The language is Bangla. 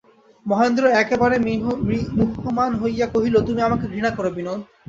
মহেন্দ্র একেবারে মুহ্যমান হইয়া কহিল, তুমি আমাকে ঘৃণা কর, বিনোদ!